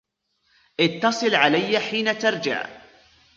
اتصل علي حين ترجع.